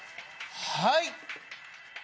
はい！